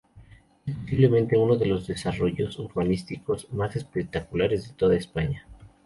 Es posiblemente uno de los desarrollos urbanísticos más espectaculares de toda España.